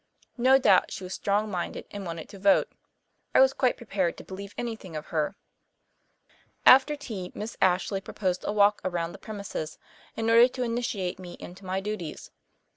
No doubt she was strong minded and wanted to vote. I was quite prepared to believe anything of her. After tea Miss Ashley proposed a walk around the premises, in order to initiate me into my duties.